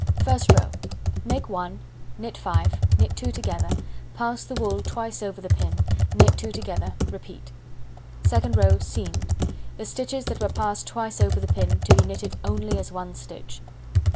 First row: Make 1, knit 5, knit 2 together, pass the wool twice over the pin, knit 2 together, repeat. Second row: Seamed. The stitches that were passed twice over the pin to be knitted only as 1 stitch.